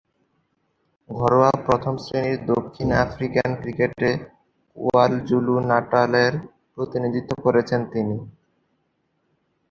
ঘরোয়া প্রথম-শ্রেণীর দক্ষিণ আফ্রিকান ক্রিকেটে কোয়াজুলু-নাটালের প্রতিনিধিত্ব করেছেন তিনি।